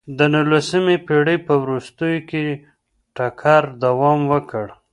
د نولسمې پېړۍ په وروستیو کې ټکر دوام وکړ.